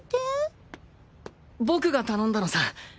僕が頼んだのさ。